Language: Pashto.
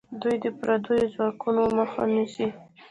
دوی د پردیو ځواکونو مخه نیسي.